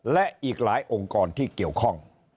และอีกหลายองค์กรที่เกี่ยวข้อง